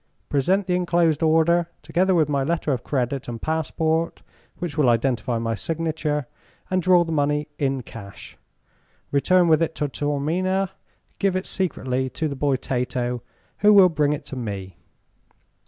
Present the enclosed order, together with my letter of credit and passport, which will identify my signature, and draw the money in cash. Return with it to Taormina and give it secretly to the boy Tato, who will bring it to me.